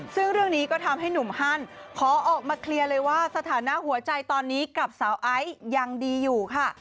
ซึ่งเรื่องนี้ก็ทำให้หนุ่มฮันขอออกมาเคลียร์เลยว่าสถานะหัวใจตอนนี้กับสาวไอซ์ยังดีอยู่ค่ะ